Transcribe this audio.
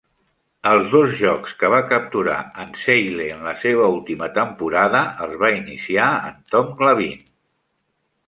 Els dos jocs que va capturar en Zeile en la seva última temporada els va iniciar en Tom Glavine.